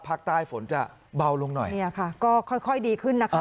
ภาคใต้ฝนจะเบาลงหน่อยเนี่ยค่ะก็ค่อยค่อยดีขึ้นนะคะ